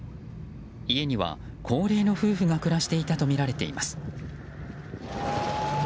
家には、高齢の夫婦が暮らしていたとみられています。